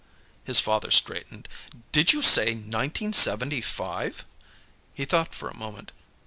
His father straightened. "Did you say nineteen seventy five?" He thought for a moment.